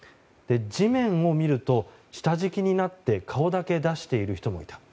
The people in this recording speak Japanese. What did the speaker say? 地面を見ると、下敷きになって顔だけ出している人もいた。